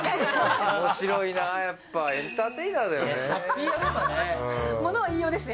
おもしろいな、やっぱりエンターテイナーだよね。